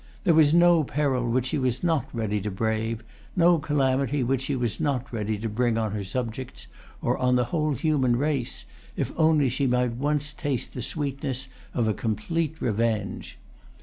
There was no peril which she was not ready to brave, no calamity which she was not ready to bring on her subjects, or on the whole human race, if only she might once taste the sweetness of a complete revenge.